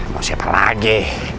mau siapa lagi